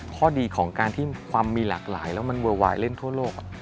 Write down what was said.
ข้อดีของการที่ความมีหลากหลายแล้วมันเวอร์วายเล่นทั่วโลก